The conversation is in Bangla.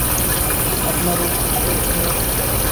আপনার অতিথিদের কি হবে?